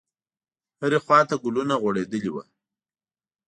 هرې خواته ګلونه غوړېدلي وو.